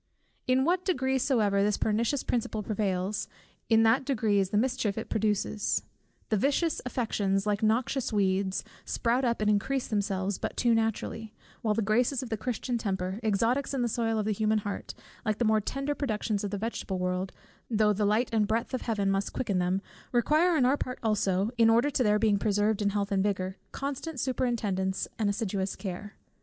In what degree soever this pernicious principle prevails, in that degree is the mischief it produces. The vicious affections, like noxious weeds, sprout up and increase of themselves but too naturally; while the graces of the Christian temper, exotics in the soil of the human heart, like the more tender productions of the vegetable world, though the light and breath of Heaven must quicken them, require on our part also, in order to their being preserved in health and vigour, constant superintendence and assiduous care.